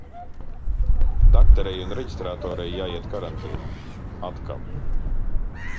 Dakterei un reģistratorei jāiet karantīnā. Atkal!